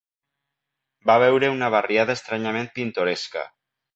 Va veure una barriada estranyament pintoresca